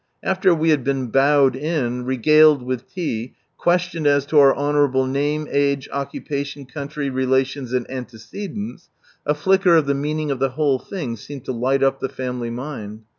After we had been bowed in, regaled with tea, ([uestioned as to our honourable name, age, occupation, country, mtecedents, a flicker of the meaning of the whole thing seemed to light up the family mind.